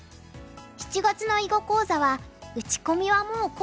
７月の囲碁講座は「打ち込みはもう怖くない！」。